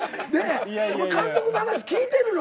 監督の話聞いてるの？